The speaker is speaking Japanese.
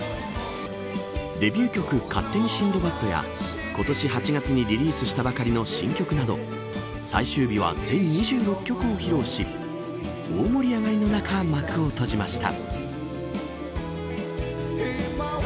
デビュー曲勝手にシンドバッドや今年８月にリリースしたばかりの新曲など最終日は全２６曲を披露し大盛り上がりの中幕を閉じました。